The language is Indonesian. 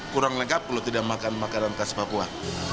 kurang lengkap kalau tidak makan makanan khas papua